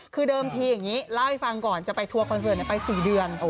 คือเดิมทีอย่างนี้เล่าให้ฟังก่อนจะไปทัวร์คอนเสิร์ตไป๔เดือน